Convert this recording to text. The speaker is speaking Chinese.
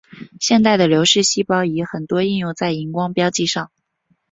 现代的流式细胞仪很多应用在荧光标记上。